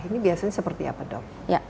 ini biasanya seperti apa dok